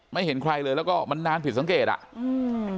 เห็นใครเลยแล้วก็มันนานผิดสังเกตอ่ะอืม